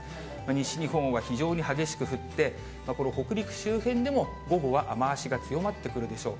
西日本は非常に激しく降って、これ、北陸周辺でも、午後は雨足が強まってくるでしょう。